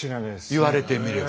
言われてみれば。